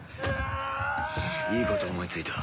いいことを思いついた。